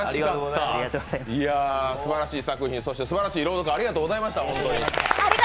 いや、すばらしい作品、そしてすばらしい朗読、ありがとうございました。